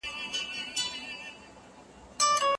په زيارتونو تعويذونو باندې هم و نه شوه